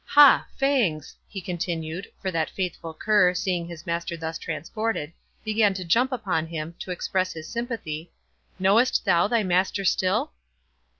—Ha, Fangs!" he continued,—for that faithful cur, seeing his master thus transported, began to jump upon him, to express his sympathy,—"knowest thou thy master still?"